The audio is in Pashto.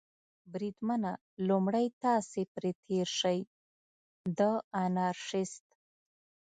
بریدمنه، لومړی تاسې پرې تېر شئ، د انارشیست.